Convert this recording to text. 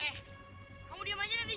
eh kamu diam aja deh dija